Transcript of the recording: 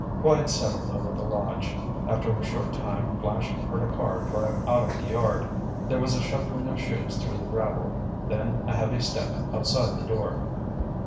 Quiet settled over the lodge. After a short time Flash heard a car drive out of the yard. There was a shuffling of shoes through the gravel, then a heavy step outside the door.